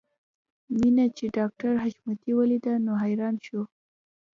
مينه چې ډاکټر حشمتي وليده نو حیران شو